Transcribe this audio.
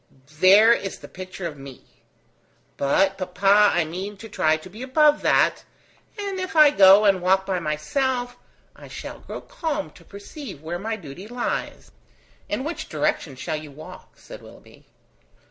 There is the picture of me! But, papa, I mean to try to be above that, and if I go and walk by myself, I shall grow calm to perceive where my duty lies ..." "In which direction shall you walk?" said Willoughby.